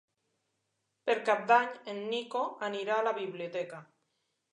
Per Cap d'Any en Nico anirà a la biblioteca.